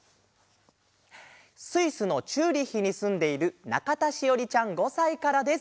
スイスのチューリッヒにすんでいるなかたしおりちゃん５さいからです。